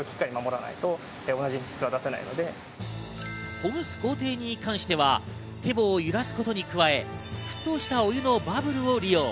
ほぐす工程に関しては、てぼを揺らすことに加え、沸騰したお湯のバブルも利用。